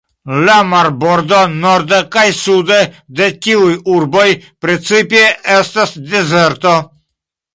La marbordo norde kaj sude de tiuj urboj precipe estas dezerto.